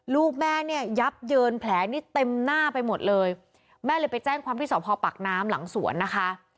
ลูกแม่เนี่ยยับเยินแผลนี่เต็มหน้าไปหมดเลยแม่เลยไปแจ้งความที่สอบพอปากน้ำหลังสวนนะคะ